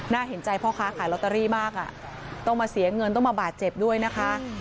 เห็นใจพ่อค้าขายลอตเตอรี่มากอ่ะต้องมาเสียเงินต้องมาบาดเจ็บด้วยนะคะ